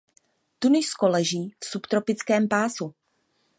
Tunisko leží v subtropickém pásu.